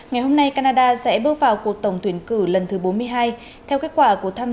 ngày hôm nay canada sẽ bước vào cuộc tổng tuyển cử lần thứ bốn mươi hai theo kết quả của thăm